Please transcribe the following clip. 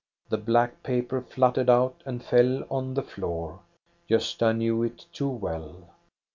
The black paper fluttered out and fell on the floor. Gosta knew it too well.